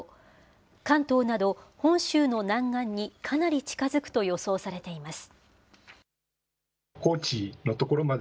関東など、本州の南岸にかなり近づくと予想されています。